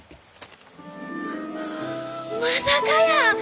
まさかやー！